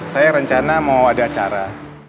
saya rencana mau ada acara